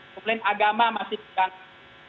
kemudian agama masih diganggu